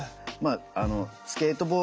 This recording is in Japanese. まあスケート